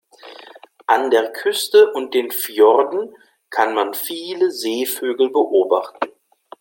An der Küste und den Fjorden kann man viele Seevögel beobachten.